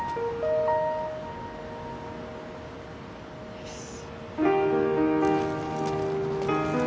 よし！